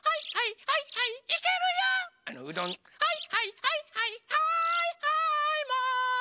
「はいはいはいはいはいはいマン」